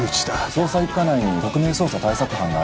捜査一課内に特命捜査対策班があるよね？